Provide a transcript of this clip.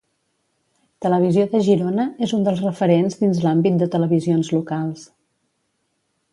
Televisió de Girona és un dels referents dins l’àmbit de televisions locals.